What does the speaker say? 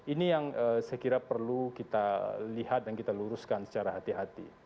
ini yang saya kira perlu kita lihat dan kita luruskan secara hati hati